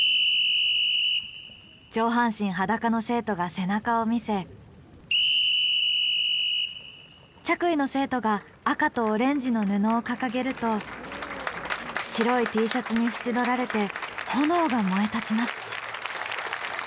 上半身裸の生徒が背中を見せ着衣の生徒が赤とオレンジの布を掲げると白いＴシャツに縁取られて炎が燃えたちます。